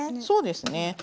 そうですね。